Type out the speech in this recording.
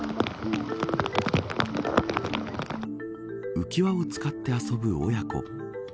浮輪を使って遊ぶ親子。